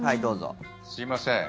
すいません。